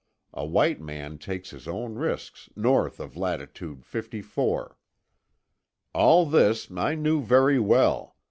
A white man takes his own risks north of latitude 54. "All this I knew very well.